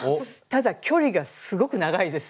ただ距離がすごく長いです。